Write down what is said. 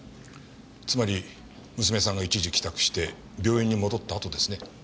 つまり娘さんが一時帰宅して病院に戻ったあとですね。